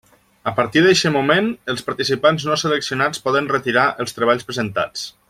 A partir d'eixe moment, els participants no seleccionats poden retirar els treballs presentats.